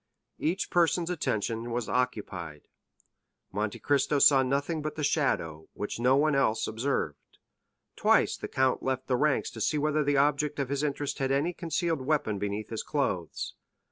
Each person's attention was occupied. Monte Cristo saw nothing but the shadow, which no one else observed. Twice the count left the ranks to see whether the object of his interest had any concealed weapon beneath his clothes.